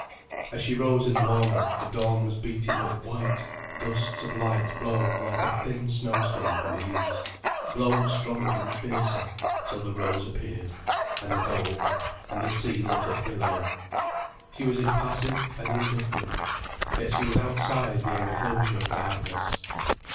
As she rose in the morning, the dawn was beating up white, gusts of light blown like a thin snowstorm from the east, blown stronger and fiercer, till the rose appeared, and the gold, and the sea lit up below. She was impassive and indifferent. Yet she was outside the enclosure of darkness.